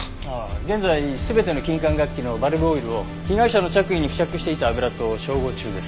現在全ての金管楽器のバルブオイルを被害者の着衣に付着していた油と照合中です。